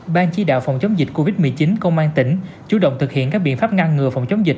ban chỉ đạo phòng chống dịch covid một mươi chín công an tỉnh chủ động thực hiện các biện pháp ngăn ngừa phòng chống dịch